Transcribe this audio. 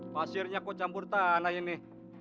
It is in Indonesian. pasirnya kok campur tanah ini